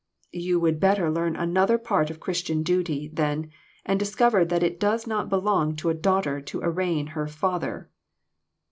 " "You would better learn another part of Chris tian duty, then, and discover that it does not belong to a daughter to arraign her father."